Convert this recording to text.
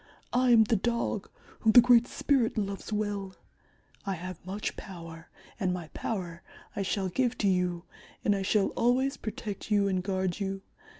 I am the Dog, whom the Great Spirit loves well. I have much power, and my power I shall give to you, and I shall always protect you and guard you.